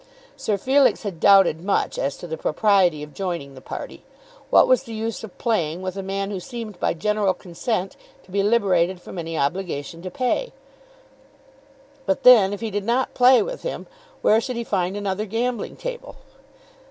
Sir Felix had doubted much as to the propriety of joining the party. What was the use of playing with a man who seemed by general consent to be liberated from any obligation to pay? But then if he did not play with him, where should he find another gambling table?